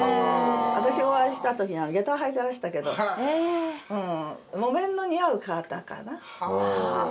私がお会いした時にはげたを履いてらしたけど木綿の似合う方かな。